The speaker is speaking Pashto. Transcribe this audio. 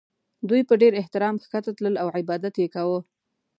دوی په ډېر احترام ښکته تلل او عبادت یې کاوه.